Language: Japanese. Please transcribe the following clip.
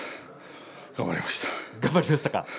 頑張りました。